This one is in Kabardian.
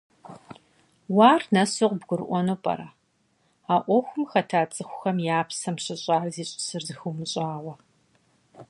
Уэ ар нэсу къыбгурыӀуэну пӀэрэ, а Ӏуэхум хэта цӀыхухэм я псэм щыщӀар зищӀысыр зыхыумыщӀауэ?